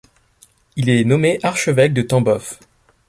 Il est nommé archevêque de Tambov.